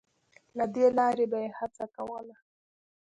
له دې لارې به یې هڅه کوله